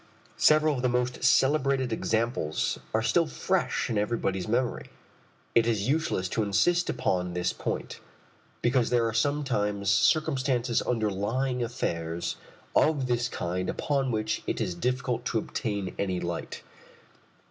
Several of the most celebrated examples are still fresh in everybody's memory. It is useless to insist upon this point, because there are sometimes circumstances underlying affairs of this kind upon which it is difficult to obtain any light.